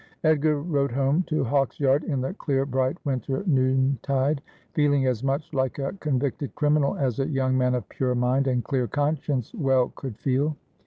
Edgar rode home to Hawksyard in the clear bright winter noontide, feeling as much like a convicted criminal as a young man of pure mind and clear conscience well could feel.